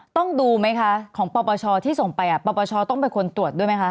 ต้องดูไหมคะของปปชที่ส่งไปปปชต้องเป็นคนตรวจด้วยไหมคะ